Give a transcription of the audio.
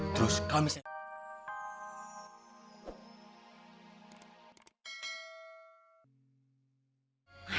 terus kamu misalnya